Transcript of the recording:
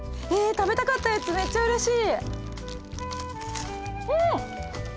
食べたかったやつめっちゃうれしい。